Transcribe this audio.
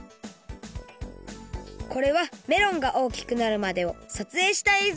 これはメロンがおおきくなるまでをさつえいしたえい